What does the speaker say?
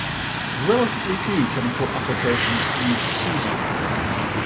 Relatively few chemical applications use caesium.